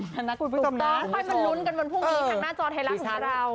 คุณพูดไปตรงนั้นค่ะค่อยมันรุ้นกันบนพรุ่งนี้ทางหน้าจอไทยรักษณ์ของเรา